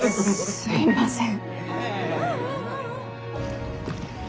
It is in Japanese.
すいません。